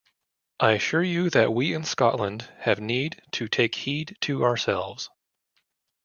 I assure you that we in Scotland have need to take heed to ourselves.